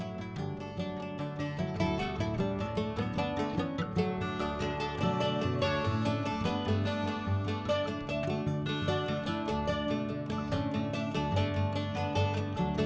abershock indonesia perumahan di hangai